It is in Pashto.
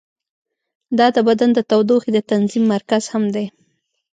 دا د بدن د تودوخې د تنظیم مرکز هم دی.